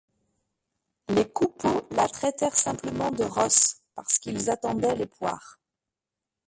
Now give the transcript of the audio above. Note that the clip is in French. Les Coupeau la traitèrent simplement de rosse, parce qu'ils attendaient les poires.